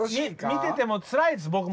見ててもうつらいです僕も。